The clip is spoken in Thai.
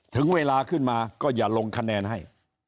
ถึงเวลาขึ้นมาก็อย่าลงคะแนนให้